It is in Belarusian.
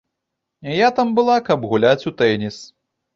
Я там была, каб гуляць у тэніс.